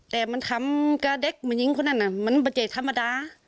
แต่มันทำกระเด็กมือหญิงของนั่นน่ะมันประเศษธรรมดา